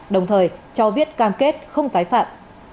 đồng thời cho viết cam kết không tái phạm